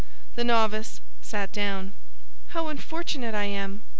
The novice sat down. "How unfortunate I am!"